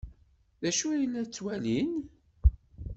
D acu ay la ttwalin?